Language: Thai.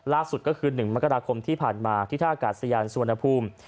ล่าสุดก็คือ๑มกราคมที่ผ่านมาที่ท่ากาศยานสุวรรณภูมิ